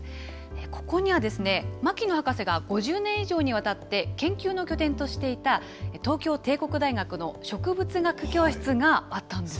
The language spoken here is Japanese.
ここには牧野博士が５０年以上にわたって研究の拠点としていた、東京帝国大学の植物学教室があったんです。